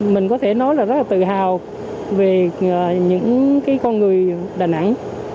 mình có thể nói là rất là tự hào về những con người đà nẵng